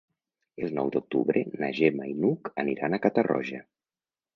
El nou d'octubre na Gemma i n'Hug aniran a Catarroja.